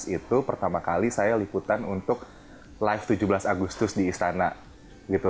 itu pertama kali saya liputan untuk live tujuh belas agustus di istana gitu